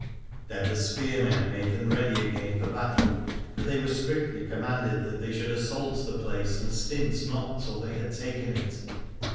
Then the spearmen made them ready again for battle, for they were strictly commanded that they should assault the place and stint not till they had taken it.